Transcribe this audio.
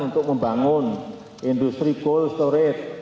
untuk membangun industri gold storage